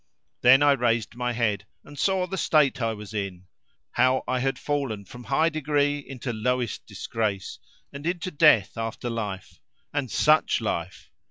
Then I raised my head and saw the state I was in, how I had fallen from high degree into lowest disgrace; and into death after life (and such life!)